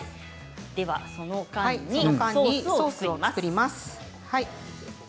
では、その間にソースを作ります。